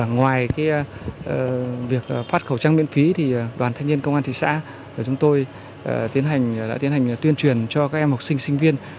ngoài việc phát khẩu trang miễn phí đoàn thanh niên công an thị xã đã tuyên truyền cho các em học sinh sinh viên